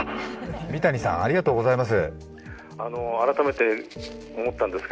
三谷さん、ありがとうございます。